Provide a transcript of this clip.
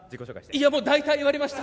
いやもう大体言われました！